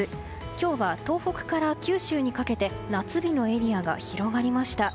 今日は東北から九州にかけて夏日のエリアが広がりました。